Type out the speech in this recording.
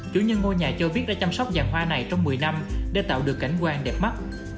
chủ nhân ngôi nhà cho biết đã chăm sóc vàng hoa này trong một mươi năm để tạo được cảnh quan đẹp mắt